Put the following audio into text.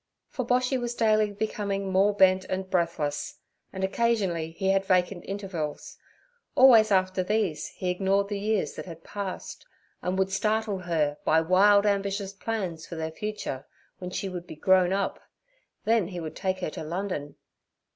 For Boshy was daily becoming more bent and breathless, and occasionally he had vacant intervals. Always after these he ignored the years that had passed, and would startle her by wild, ambitious plans for their future—when she would be grown up. Then he would take her to London.